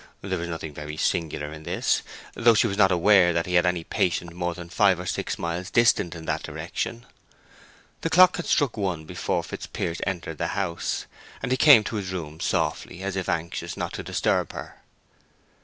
There was nothing very singular in this, though she was not aware that he had any patient more than five or six miles distant in that direction. The clock had struck one before Fitzpiers entered the house, and he came to his room softly, as if anxious not to disturb her.